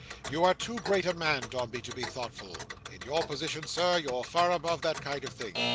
You are too great a man, Dombey, to be thoughtful. In your position, Sir, you're far above that kind of thing."